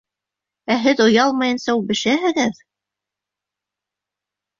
Ә һеҙ оялмайынса үбешәһегеҙ!